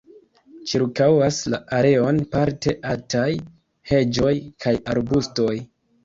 Ĉirkaŭas la areon parte altaj heĝoj kaj arbustoj.